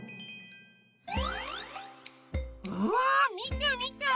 うわみてみて！